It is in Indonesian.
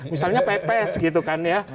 misalnya pepes gitu kan ya